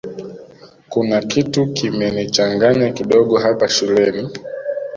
kuna kitu kimenichanganya kidogo hapa shuleni